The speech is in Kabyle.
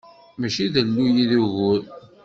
Mačči d alluy i d ugur.